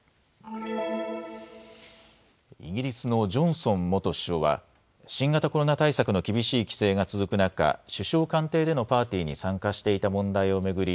イギリスのジョンソン元首相は新型コロナ対策の厳しい規制が続く中、首相官邸でのパーティーに参加していた問題を巡り